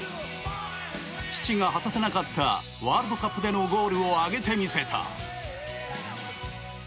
父が果たせなかったワールドカップでのゴールを挙げてみせた。